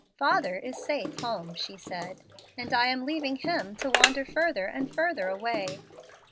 "Father is safe home," she said, "and I am leaving him to wander further and further away.